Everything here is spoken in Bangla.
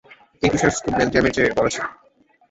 এই তুষারস্তূপ বেলজিয়ামের চেয়ে বড় ছিল।